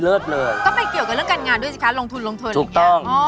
ลงทุนลงทุนไงถูกต้อง